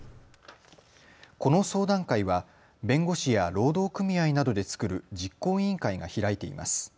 この相談会は弁護士や労働組合などで作る実行委員会が開いています。